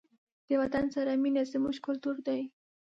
د وطن سره مینه زموږ کلتور دی.